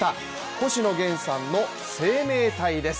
星野源さんの「生命体」です。